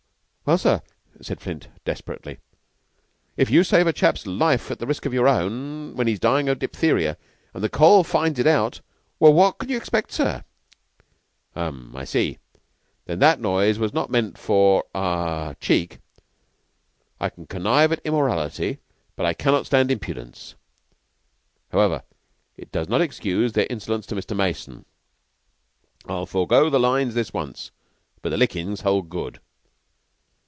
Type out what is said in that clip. "Well, sir," said Flint desperately, "if you save a chap's life at the risk of your own when he's dyin' of diphtheria, and the Coll. finds it out, wha what can you expect, sir?" "Um, I see. Then that noise was not meant for ah, cheek. I can connive at immorality, but I cannot stand impudence. However, it does not excuse their insolence to Mr. Mason. I'll forego the lines this once, remember; but the lickings hold good."